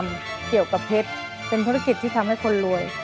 จะช่วยความจำเกี่ยวกับเพศเป็นธุรกิจที่ทำให้คนลวย